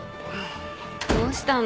どうしたの？